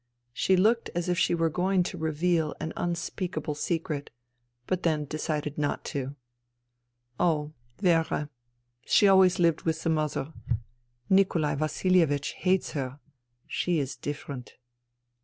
She looked as if she were going to reveal an unspeakable secret, but then decided not to. *' Oh, Vera ... she always lived with the mother. Nikolai Vasilievich hates her. ... She is different."